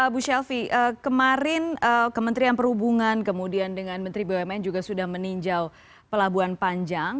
bu shelfie kemarin kementerian perhubungan kemudian dengan menteri bumn juga sudah meninjau pelabuhan panjang